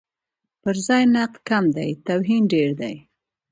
پرځای نقد کم دی، توهین ډېر دی.